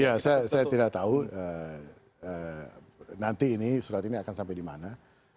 ya saya tidak tahu nanti ini surat ini akan sampai di mana